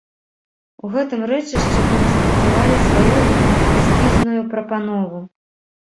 У гэтым рэчышчы мы распрацавалі сваю эскізную прапанову.